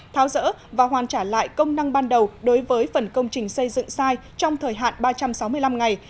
tháo rỡ và hoàn trả lại công năng ban đầu đối với phần công trình xây dựng sai trong thời hạn ba trăm sáu mươi năm ngày